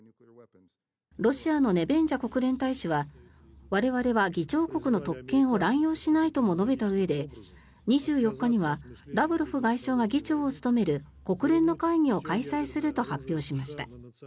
ロシアのネベンジャ国連大使は我々は議長国の特権を乱用しないとも述べたうえで、２４日にはラブロフ外相が議長を務める国連の会議を開催すると発表しました。